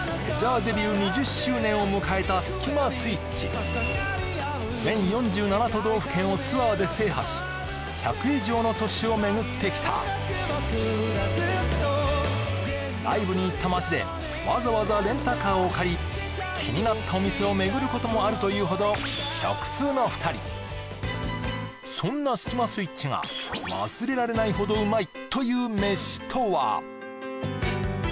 ぶっ壊して全４７都道府県をツアーで制覇し１００以上の都市を巡ってきたライブに行った町でわざわざレンタカーを借り気になったお店を巡ることもあるというほどそんなスキマスイッチが忘れられないほどうまいというメシとは？